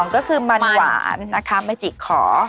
ก็คือมันหวานนะคะเมจิขอ